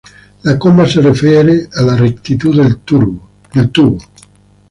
La comba se refiere a la "rectitud" del tubo.